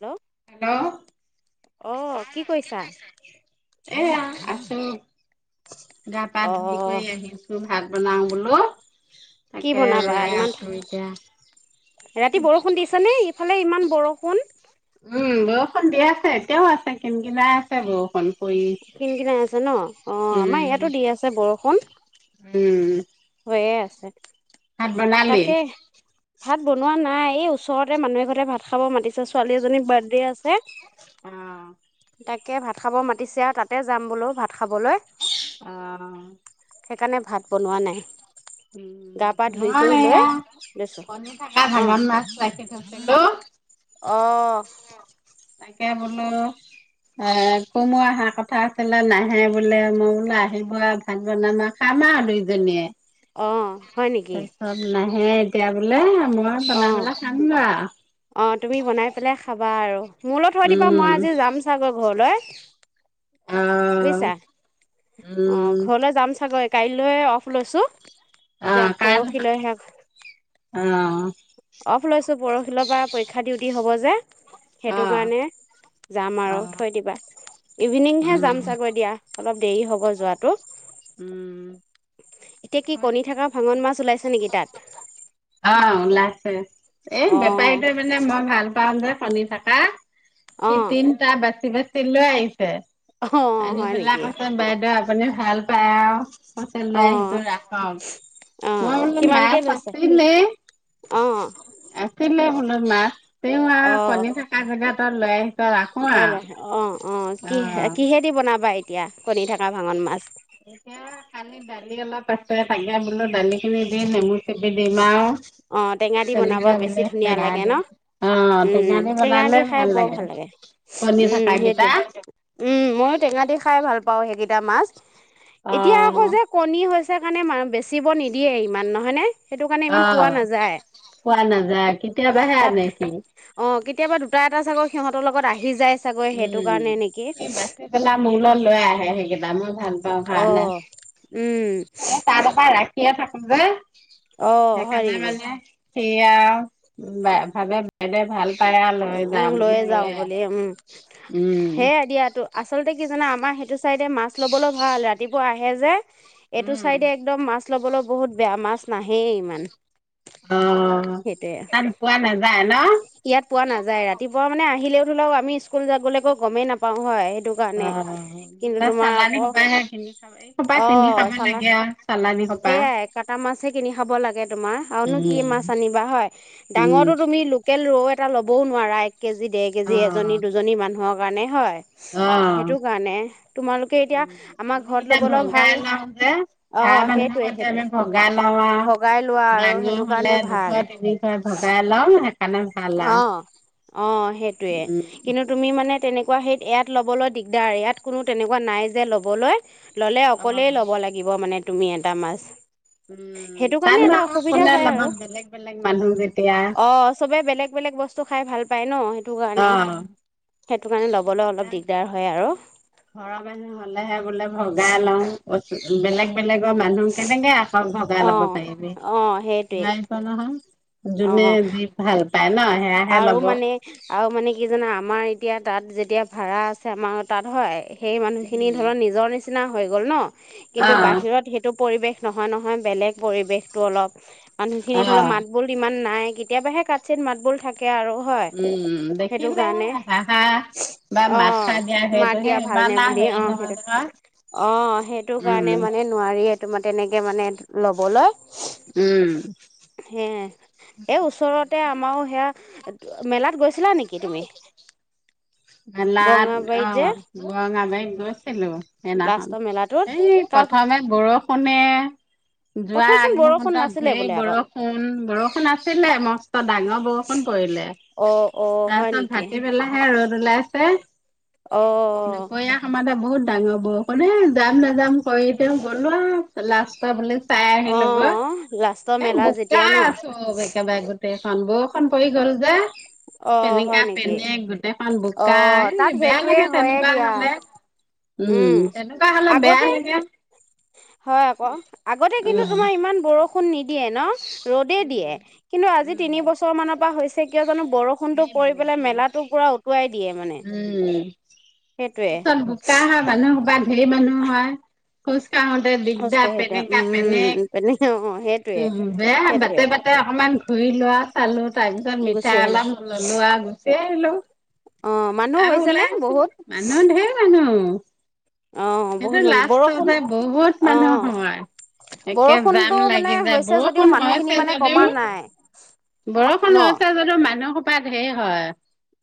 Hello. Hello. অ' কি কৰিছা? এয়া আছো গা পা ধুই অ' কৰি আহিছোঁ ভাত বনাওঁ বোলো। কি তাকে বনাবা আৰু এয়া ইমান আছোঁ এতিয়া। ৰাতি বৰষুণ দিছেনে? ইফালে ইমান বৰষুণ। উম, বৰষুণ দি আছে এতিয়াও আছে কিন কিনাই আছে বৰষুণ পৰি। কিন কিনাই আছে ন' অ' আমাৰ উম ইয়াতো দি আছে বৰষুণ। উম। হয়েই আছে, ভাত বনালি তাকে। ভাত বনোৱা নাই এই ওচৰতে মানুহে ঘৰতে ভাত খাব মাতিছে ছোৱালী এজনী বাৰ্থডে আছে। অ'। তাকে ভাত খাব মাতিছে আৰু তাতে যাম বোলো ভাত খাবলৈ। অ'। সেইকাৰণে ভাত বনোৱা নাই। উম, গা পা ধুই মই কৰি লৈ এয়া লৈছো কণী থকা অ' ভাঙন মাছ ৰাখি থৈছিলোঁ। অ'। তাকে বোলো এ, কুমু অহা কথা আছিলে নাহে বোলে মই বোলে আহিব ভান বনাম আৰ খাম আৰু দুইজনীয়ে। অ'। হয় নেকি? তাৰপিছত নাহে এতিয়া বোলে মই বনাই অ' পেলাই খাম গৈ আৰু। অ' তুমি বনাই পেলাই খাবা আৰু, মোলৈ থৈ দিবা মই উম আজি যাম চাগৈ ঘৰলৈ। আহ বুজিছা, অ' উম ঘৰলৈ যাম চাগৈ। কাইলৈ অফ লৈছোঁ, তেতিয়া পৰহিলৈ [unintelligible] অ'। অফ লৈছোঁ পৰহি লৈ পৰা পৰীক্ষা ডিউটি হ'ব যে সেইটো আহ কাৰণে যাম আৰু আহ থৈ দিবা ইভিনিংহে উম যাম চাগৈ দিয়া অলপ দেৰি হ'ব যোৱা টো উম এতিয়া কি কণী থকা ভাঙন মাছ ওলাইছে নেকি তাত অ ওলাইছে এ অঁ বেপাৰীটো মানে মই ভাল ভাল পাওঁ যে কণী থকা অঁ তিনিটা বাচি বাচি লৈ আহিছে অঁ আনি হয় পেলাই নেকি কৈছে বাইদেউ আপুনি ভাল পায় আও কৈছে লৈ অঁ আহিছো ৰাখক অঁ মই বোলে মাছ আছিলে অ আছিলে বোলো মাছ তেওঁ আৰু কণী থকা জেগাত লৈ আহিছ ৰাখো তই আৰু লৈ আহিছ অ অ কি কিহেদি বনাবা এতিয়া কণী থকা ভাঙন মাছ এতিয়া কালি দালি অলপ আছে তাকে বোলো দালিখিনি দি নেমু চেপি দিম আৰু অঁ টেঙা দি বনাবা তেনেকা বেছি বুলি ধুনীয়া টেঙা লাগে ন দি অ টেঙা দি বনালে ভাল লাগে কণী উম থকা কেইটা সেইটোৱে উম ময়ো টেঙা দি খাই ভাল পাওঁ সেইকেইটা মাছ অ এতিয়া আকৌ যে কণী হৈছে কাৰণে ম বেচিব নিদিয়ে ইমান নহয়নে সেইটো কাৰণে ইমান অ পোৱা নাযায় পোৱা নাযায় কেতিয়াবা হে তাত আনে সি অ কেতিয়াবা দুটা এটা চাগৈ সিহঁতৰ লগত আহি যায় চাগৈ সেইটো কাৰণে নেকি মোৰ লৈ লৈ আহে সেইকেইটা মই ভাল পাওঁ অ কাৰণে উম এ তাৰ আগপা ৰাখিয়ে থাকো যে অ হয় নেকি সি ভাবে বাইদেউ ভাল পায় আৰু লৈ যাওঁ উম বুলি লৈয়ে যাওঁ লৈ আহে বুলি উম উম সেয়াই দিয়াতো আচলতে কি জানা আমাৰ সেইটো চাইডে মাছ লবলৈ ভাল ৰাতিপুৱা আহে যে এইটো চাইডে একদম মাছ ল'বলৈ বহুত বেয়া মাছ নাহেই ইমান অ সেইটোৱে তাত পোৱা নাযায় ন ইয়াত পোৱা নাযায় ৰাতিপুৱা মানে আহিলেও ধৰি লওক আমি স্কুল য গোলেকো গমেই নাপাওঁ হয় সেইটো কাৰণে কিন্তু অ তোমাৰ চালানী আকৌ সোপাই চিনি খাব এই সোপাই অ কিনি খাব চালা লাগে আও চালানী হো সেয়াই কটা মাছহে কিনি খাব লাগে তোমাৰ আৰুনো কি উম, মাছ আনিবা হয় উম, ডাঙৰটো তুমি লোক ৰৌ এটা ল'বও নোৱাৰা এক কেজি ডেৰ কেজি অ', এজনী দুজনী মানুহৰ কাৰণে হয় অ সেইটো কাৰণে তোমালোকে এতিয়া আমাৰ আমি ঘৰত এতিয়া ল'বলৈ ভাল ভগাই [unintelligible] অ হাঁহ মানুহৰ সেইটোৱে প্ৰতি সেইটোৱে আমি ভগা লও আও ভগাই লোৱা আৰু ডাঙৰ সেইটো হলে কাৰণে দুশ ভাল তিনি [unintelligible] ভগাই ল'ম সেইকাৰণে ভাল আৰু। অ অ সেইটোৱে উম, কিন্তু তুমি মানে তেনেকুৱা হেইত ইয়াত ল'বলৈ দিগদাৰ ইয়াত কোনো তেনেকুৱা নাই যে ল'বলৈ ল'লে অকলেই অ'। ল'ব লাগিব মানে তুমি এটা মাছ সেইটো তাত কাৰণে নো এটা আকৌ অসুবিধা কোনে হয় ল'ব আৰু। বেলেগ বেলেগ মানুহ যেতিয়া অ', চবে বেলেগ বেলেগ বস্তু খাই ভাল পায় ন সেইটো অ কাৰণে সেইটো কাৰণে লগ ক'বলৈ অলপ দিগদাৰ হয় আৰু ঘৰৰ মানুহ হ'লেহে বোলে ভগাই লওঁ বেলেগ বেলেগ মানুহ কেনেকে আকৌ ভগাই লব অ', পাৰিবি অ', সেইটোৱে নহ যোনে অ'। যি ভাল পায় ন'। সেয়াহে আৰু ল'ব মানে আৰু মানে কি জানা, আমাৰ এতিয়া তাত যেতিয়া ভাৰা আছে আমাৰ তাত হয়। সেই মানুহখিনি উম ধৰক নিজৰ নিচিনা হৈ গ'ল ন' অ কিন্তু বাহিৰত এ এইটো পৰিৱেশ নহয় নহয় বেলেগ পৰিৱেশটো অলপ, অ মানুহখিনি ধৰক মাত মাত বোল ইমান নাই কেতিয়াবাহে কাঠ চিত মাত বোল থাকে আৰু। হয় উম', উম' সেইটো দেখিলে কাৰণে হাঁহা বা অ মাত ছাত দিয়া মাত সেইটোহে ইমান আৰু হেৰি নহয়। [unintelligible] অহ, সেইটো উম কাৰণে মানে নোৱাৰি তোমাৰ তেনেকে মানে ল'বলৈ। উম। হে' এই ওচৰতে আমাৰো সেয়া মেলাত গৈছিলা নেকি তুমি? মেলাত বৰঙাবাৰীত অহ, যে যোৱা নায়ায় গৈ গৈছিলোঁ সেইদিনাখন, লাষ্টৰ মেলাটোত এই কাক প্ৰথমে বৰষুণে যোৱা প্ৰথমচোন বৰষুণ আগমুহৰ্তত নাছিলে ঢেৰ বোলে আকৌ বৰষুণ বৰষুণ আছিলে মস্ত ডাঙৰ বৰষুণ। বৰষুণ পৰিলে, অ অ হয় তাৰপিছত নেকি ভাতিবেলা ঢেৰ ৰ'দ ওলাছে অ আছে। দুপৰীয়া আমাৰ এটে বহুত ডাঙৰ বৰষুণে। এ যাম নেযাম কৰি তেওঁ গ'লো আৰু লষ্টাত বোলে। চাই অ আহিলো গৈ, লাষ্টৰ এ মেলা বোকা যেতিয়া ন আছো চ একেবাৰে গোটেইখন বৰষুণ পৰি গ'ল যে, অ হয় নেকি পেনেকা-পেনেক গোটেই ইমান অ বোকা, তাত এই বেয়া সেইটোৱে লাগে হয়ে তেনেকুৱা দিয়া হ'লে। উম, তেনেকুৱা হ'লে বেয়া আগতে লাগে। হয়, আকৌ। আগতে কিন্তু উম, তোমাৰ ইমান বৰষুণ নিদিয়ে ন' ৰ'দে দিয়ে কিন্তু আজি উম, তিনি বছৰ মানৰ পৰা হৈছে কিয় জানো বৰ বৰষুণটো পৰি সেইবোৰ। পেলাই মেলাটো পূৰা উটুৱাই দিয়ে মানে। উম, সেইটোৱে পিছত বোকা হয় মানুহ সোপা ঢেৰ মানুহ হয়। খোজ কঢ়োতে হৈছে দিগদাৰ সেইটোৱে পেনেকা-পেনেক। উম তেনেকে অ সেইটোৱে উম, বেয়া সেইটোৱে বাটে-বাটে তাতে অকনমান ঘূৰি লোৱা চালো তাৰ পিছত গুচি মিঠাই অলপ ললো আঁ গুচি আহিলো। অহ, মানুহ আৰু হৈছেনে ওলাই আহিছিলো বহুত? মানুহ ধেৰ মানুহ। অ' সেইটো বহুত মানুহ বৰষুণ লাষ্টতহে বহুত মানুহ অ' হয়। একে যাম বৰষুণটো মানে লাগি যায়, হৈছে যদিও বৰষুণ মানুহখিনি হৈছে মানে কমা যদিওঁ। নাই ন? বৰষুণ হৈছে যদিওঁ মানুহসোপা ধেৰ হয়।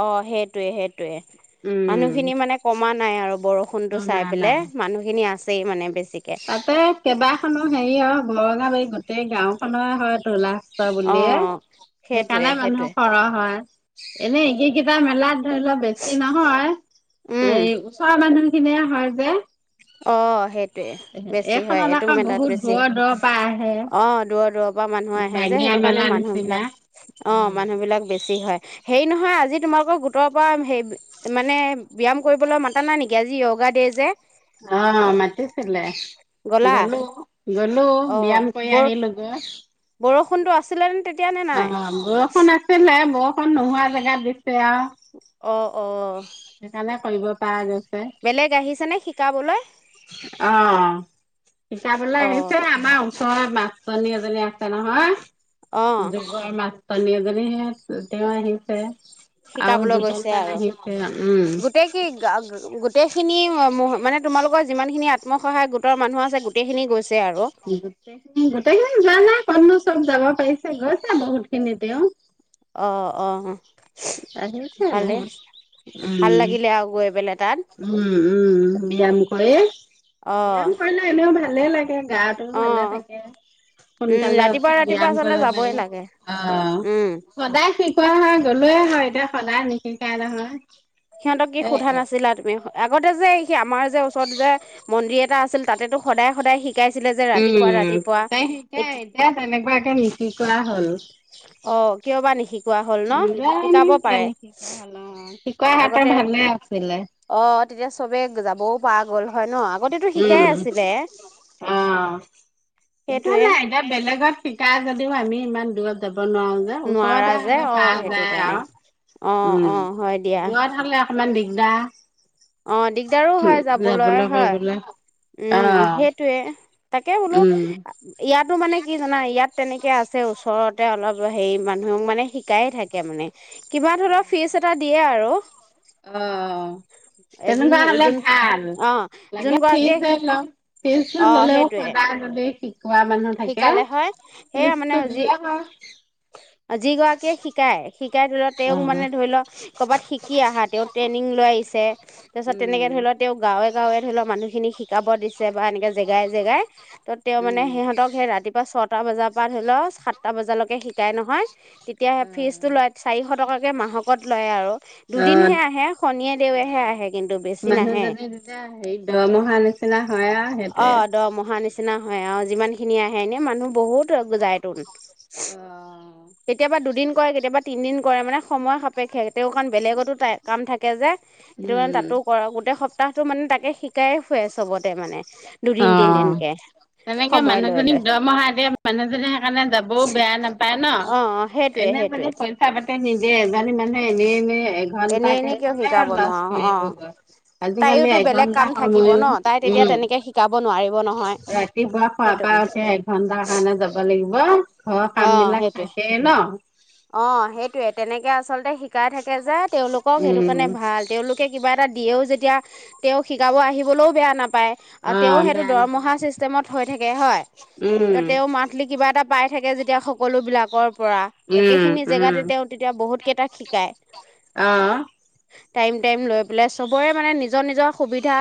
অহ, সেইটোৱে-সেইটোৱে উম মানুহখিনি মানে কমা নাই আৰু বৰষুণ বৰষুণটো চাই আমাৰ নাই পেলাই মানুহখিনি আছেয়ে মানে বেছি তাতে কেইবাখনো হেৰি আৰু ঘৰঙাবাৰী গোটেই গাওঁখনেৰে হয় তোলা। অ' বুলিয়ে সেইটোৱে সেইকাৰণে মানুহ সেইটোৱে খৰহ হয়। এনেই সেইকেইটা মেলাত ধৰিলোৱা বেছি নহয়, উম এই ওচৰৰ মানুহ খিনিয়ে হয় যে। অহ, সেইটোৱে বেছি হয়, এইখনত এইটো আকৌ মেলাত বহুত বেছি। দূৰৰ দূৰৰ পৰা আহে অহ, দূৰত-দূৰত পৰা মানুহে আহে যে বাঙিয়া সেইটো কাৰণে মেলা নিচিনা মানুহবিলাক অহ, মানুহবিলাক বেছি হয়। হেৰি নহয়, আজি তোমালোকৰ গোটৰ পৰা হেৰি মানে ব্যায়াম কৰিবলৈ মাতা নাই নেকি? আজি য়োগা দে যে। অহ, মাত মাতিছিলে, গ'লা গলোঁ-গলোঁ অ ব্যায়াম কৰি বৰ আহিলো গৈ। বৰষুণটো আছিলে নে তেত অ বৰষুন আছিলে বৰষুন নোহোৱা জেগাত দিছে আউ অ অ কৰিব পৰা গৈছে বেলেগ আহিছে নে শিকাবলৈ অ শিকাবলৈ অ আহিছে আম আমাৰ ওচৰৰে মাষ্টৰণী এজনী আছে অ নহয় যোগৰ মাছ মাষ্টৰণী এজনী সেয়া তেওঁ আহিছে আৰু শিকাবলৈ গৈছে দুজনমান আৰু আহিছে উম। গোটেই কি গা গোটেইখিনি মানে তোমালোকৰ যিমানখিনি আত্মসহায়ক গোটৰ মানুহ আছে গোটেইখিনি গৈছে আৰু গোটেইখিনি যোৱা নাই কতণো চব যাব পাৰিছে গৈছো বহুত খিনি তেওঁ অ অ আহিছে ভালেই বহুত ভাল উম, লাগিলে আৰু গৈ পেলাই তাত উম উম ব্যায়াম কৰি অ ব্যায়াম কৰিলে এনেও ভালে লাগে গা টোও অ ভালে থাকে উম সোনকালে ৰাতিপুৱা উঠি ৰাতিপুৱা ব্যায়াম আচলতে কৰিব যাবই পাৰিলে লাগে অ উম সদায় শিকোৱা হয় গ'লোয়ে হয় এতিয়া সদায় নিশিকাই নহয় সিহঁতক কি এ সোধা এ নাছিলা তুমি স আগতে যে সি আমাৰ যে ওচৰত যে মন্দিৰ এটা আছিল তাতেটো সদায় সদায় শিক শিকাইছিলে যে ৰাতিপুৱা ৰাতিপুৱা এতি এ তেনেকুৱাকে নিশিকুৱা হ'ল অ কিয় বা নিশিক নোযোৱা হৈ নহয় অ শিকোৱা হলে ত আগতে ভালে আছিলে অ তেতিয়া চবে যাবও পোৱা গ'ল হয় ন আগতেতো শিকাই উম। আছিলে অ এতিয়া সেইটোৱে নাই বেলেগত শিকাই যদিও আমি ইমান দূৰত যাব নোৱাৰো নোৱাৰা ওচৰতে যে হ'লে অ পাৰা সেইটো যায় কাৰণে আউ অ অ উম হয় দিয়া দূৰত হ'লে ইমান দিগদাৰ অ দিগদাৰো হয় যাবলৈ হয় অ উম সেইটোৱে তাকে বোলো উম আ ইয়াতো মানে কি জানা ইয়াত তেনেকে আছে ওচৰতে অলপ হেৰি মানুহক মানে শিকায়ে থাকে মানে কিবা ধৰিল ফিজ এটা দিয়ে আৰু অ অ অ এ যোন তেনেকুৱা হলে যোন ভাল অ যোন লাগে গৰাকীয়ে ফিজে লক ফিজটো অ ললেও সেইটোৱে সদায় দি শিকোৱা মানুহ থাকে শিকালে হয় ফিজটো দিলে হয় আ যি গৰাকীয়ে শিকায় শিকাই ধৰি লওক অ তেওঁক মানে ধৰি লওক ক'ৰবাত শিকি আহা তেওঁ ট্ৰেইনিং লৈ আহিছে তাৰ পিছত তেনেকে উম ধৰি লও, তেওঁ গাঁৱে গাঁৱে ধৰি লওক মানুহখিনিক শিকাব দিছে বা এনেকে জেগাই জেগাই ত', তেওঁ মানে উম সিহঁতক সেই ৰাতিপুৱা ছটা বজাৰ পৰা ধৰি ল, সাতটা বজালৈকে শিকাই নহয়। তেতিয়াহে ফিজটো লয়, অ চাৰিশ টকাকে মাহকত লয় আৰু। দুদিনহে আহে, শনিয়ে অ দেওহে আহে কিন্তু বেছি নাহে। মানুহজনী হেৰি দৰমহা নিচিনা হয় আ অ, দৰমহা নিচিনা হয় অ, যিমান খিনি আহে। এনে মানুহ বহুত যায় তোন। অ কেতিয়াবা দুদিন কৰে, কেতিয়াবা তিনদিন কৰে। মানে সময় সপ সাপেক্ষে। তেওঁৰ কাৰণ বেলেগতো কাম থাকে যে, সেইটো কাৰণে উম তাতো কৰে, গোটেই সপ্তাহটো মানে তাকে শিক শিকাই ফুৱে চবতে মানে। অ। দুদিন তিনদিনকে তেনেকে সময় লৈ মানুহজনীক লৈ দৰমহা দিয়ে মানুহজনী সেইকাৰণে যাবও বেয়া নাপায় ন'। অ অ', সেইটোয়ে, সেইটোয়ে। কথা পাতে নিজে, এজনি মানে এনে এনে এঘণ্টা এনেই কে, এনেই কিয় শিকাব লাজ নোৱাৰো অ কৰিব গৈ। আজি কালি তাইয়োতো বেলেগ এঘণ্টা কাম থাকিব ময়ো, ন তাই তেতিয়া উম, তেনেকে শিকাব নোৱাৰিব নহয় ৰাতিপুৱা শুৱা সেইটো পা কাৰণে সেই এঘন্টাৰ কাৰণে যাব লাগিব, ঘৰৰ অ কাম বিলাক সেইটোৱে থাকেই ন'? অ', সেইটোয়ে। তেনেকে আচলতে শিকাই থাকে যে তেওঁলোকক সেইটো উম কাৰণে ভাল। তেওঁলোকে কিবা এটা দিয়েও যেতিয়া, তেওঁ শিকাব আহিবলৈও বেয়া নাপায়। পায়। আউ অ তেওঁৰ সেইতো বেয়া নাপায় দৰমহা চিষ্টেমত হৈ থাকে হয়। ত', উম তেওঁ মান্থলি কিবা এটা পাই থাকে, যেতিয়া সকলো বিলাক কৰ পৰা, উম একেখিনি উম জেগাতে তেওঁ তেতিয়া বহুত কেইটাক শিকায়। অ টাইম, টাইম লৈ পেলাই, চবৰে মানে নিজৰ নিজৰ সুবিধা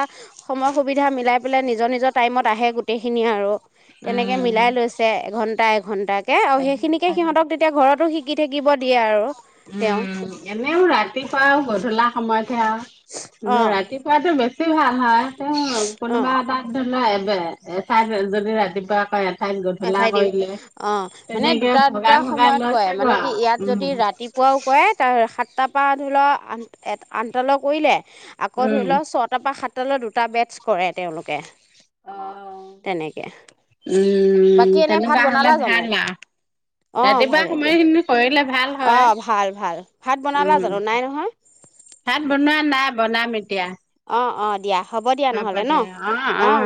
সময় সুবিধা মিলাই পেলাই, নিজৰ নিজৰ টাইমত আহে গোটেইখিনিয়ে আৰু। তেনেকে উম মিলাই লৈছে, এঘন্টা এঘণ্টাকে আৰু সেইখিনিকে এঘন্টা সিহঁতক এতিয়া ঘৰতো শিকি থাকিব দিয়ে আৰু। তেওঁ উম, এনেও ৰাতিপুৱাও গধূলা সময়তহে আৰু, অ', ৰাতিপুৱাতটো বেছি বেছি ভাল হয়। তেওঁ কোনোবা অ', এতাত ধৰি লোৱা এব এ চাই যদি ৰাতিপুৱা কয় এঠাইত দিও। অ', মানে তেনেকে দুটা দুটা ভগাই ভগাই সময়ত লৈ কয়ে, চাগৈ মানে কি ইয়াত আৰু যদি উম। ৰাতি পুৱাও কৰে, তাৰ সাতটাৰ পৰা ধৰি লও এত আঠটালে কৰিলে। আকৌ ধৰি উম। লও, ছটাৰ পৰা সাতটালৈ দুটা বেটছ কৰে তেওঁলোকে। অ'। তেনেকে। উম, বাকী এনে ভাত তেনেকুৱা হ'লে বনালা জানো? ভাল আও। অ', ৰাতিপুৱা ভালে দিয়া সময়খিনি কৰিলে ভাল হয়। অ', ভাল ভাল ভাত বনালা জানো উম। নাই নহয় ভাত বনোৱা নাই, বনাম এতিয়া। অ', অ', দিয়া। হ'ব দিয়া নহ'লে ন', অ'।